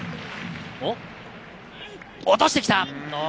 落としてきた！